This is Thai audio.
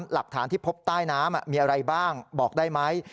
หลักฐานที่พบใต้น้ำมีอะไรบ้างบอกได้ไหม